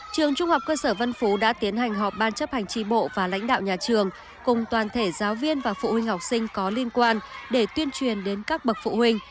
trường trung học cơ sở vân phú đã tiến hành họp ban chấp hành tri bộ và lãnh đạo nhà trường cùng toàn thể giáo viên và phụ huynh học sinh có liên quan để tuyên truyền đến các bậc phụ huynh